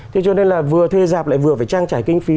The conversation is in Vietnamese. thế cho nên là vừa thuê giảm lại vừa phải trang trải kinh phí